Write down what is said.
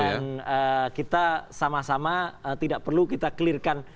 dan kita sama sama tidak perlu kita clear kan